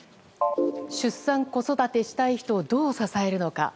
出産・子育てしたい人をどう支えるのか。